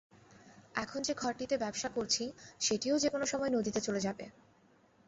এখন যে ঘরটিতে ব্যবসা করছি, সেটিও যেকোনো সময় নদীতে চলে যাবে।